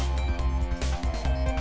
đi lau đi faces